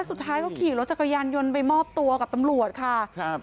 สุดท้ายก็ขี่รถจักรยานยนต์ไปมอบตัวกับตำรวจค่ะครับ